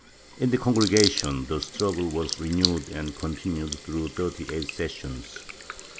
In the Congregation, the struggle was renewed and continued through thirty eight sessions.